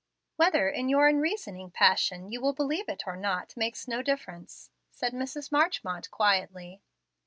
"Whether in your unreasoning passion you will believe it or not makes no difference," said Mrs. Marchmont, quietly.